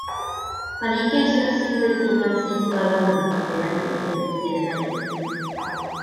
Planhigyn lluosflwydd, unionsyth, blewog ydy blodyn menyn neu flodyn ymenyn.